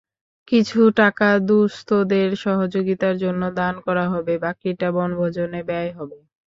কিছু টাকা দুস্থদের সহযোগিতার জন্য দান করা হবে, বাকিটা বনভোজনে ব্যয় হবে।